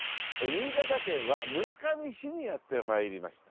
新潟県は村上市にやってまいりました。